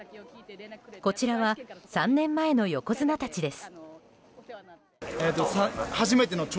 こちらは３年前の横綱たちです。